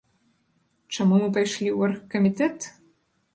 Чаму мы пайшлі ў аргкамітэт?